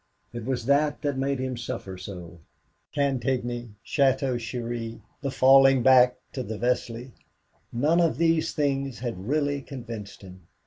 It was that that made him suffer so. Cantigny, Château Thierry, the falling back to the Vesle none of these things had really convinced him.